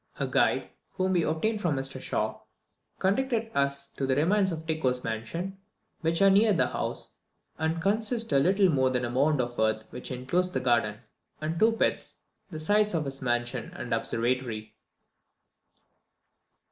A guide, whom we obtained from Mr Schaw, conducted us to the remains of Tycho's mansion, which are near the house, and consist of little more than a mound of earth which enclosed the garden, and two pits, the sites of his mansion and observatory."